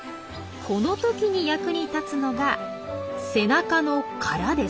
この時に役に立つのが背中の殻です。